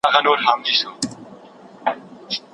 دا هماغه نېکبخته غلام دی چې الله وژغوره.